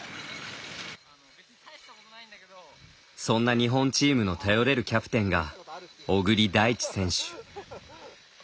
そんな日本チームの頼れるキャプテンが小栗大地選手。